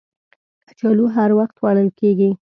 کچالو هر وخت خوړل کېږي